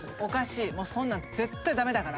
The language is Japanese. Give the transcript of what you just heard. そんなん絶対ダメだから。